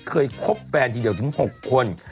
คบแฟนทีเดียวถึง๖คน